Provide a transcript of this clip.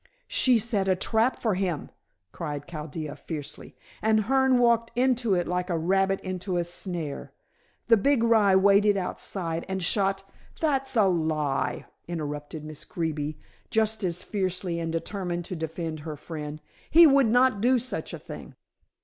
"She set a trap for him," cried Chaldea fiercely, "and Hearne walked into it like a rabbit into a snare. The big rye waited outside and shot " "That's a lie," interrupted Miss Greeby just as fiercely, and determined to defend her friend. "He would not do such a thing."